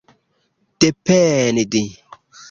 dependi